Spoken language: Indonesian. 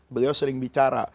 beliau sering bicara